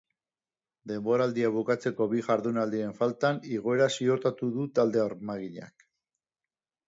Denboraldia bukatzeko bi jardunaldiren faltan, igoera ziurtatu du talde armaginak.